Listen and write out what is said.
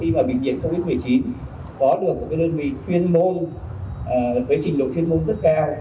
khi mà bệnh viện covid một mươi chín có được một đơn vị chuyên môn với trình độ chuyên môn rất cao